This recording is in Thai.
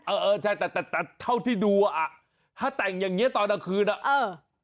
เออเออใช่แต่แต่เท่าที่ดูอ่ะถ้าแต่งอย่างเงี้ตอนกลางคืนอ่ะเออ